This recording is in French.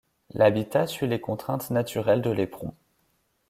L'habitat suit les contraintes naturelles de l'éperon.